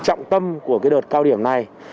trọng tâm của cái đợt cao điểm này